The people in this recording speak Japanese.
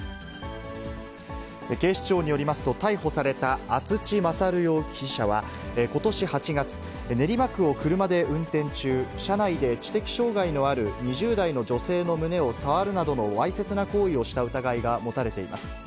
警視庁によりますと、逮捕された厚地勝容疑者はことし８月、練馬区を車で運転中、車内で知的障がいのある２０代の女性の胸を触るなどのわいせつな行為をした疑いが持たれています。